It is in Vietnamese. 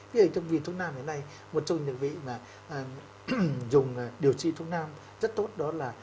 vì vậy trong vi thuốc nam hiện nay một trong những vị mà dùng điều trị thuốc nam rất tốt đó là